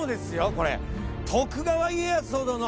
これ徳川家康ほどの。